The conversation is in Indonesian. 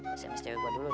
bisa miss cewek gua dulu nih